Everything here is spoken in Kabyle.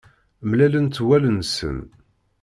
Mlalent wallen-nsen.